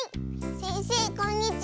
せんせいこんにちは。